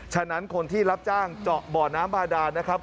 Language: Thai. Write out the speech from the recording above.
ฉะนั้นคนที่รับจ้างเจาะบ่อน้ำบาดานนะครับ